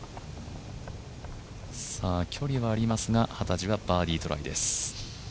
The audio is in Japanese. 距離はありますが幡地はバーディートライです。